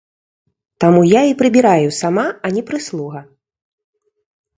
Таму я і прыбіраю сама, а не прыслуга.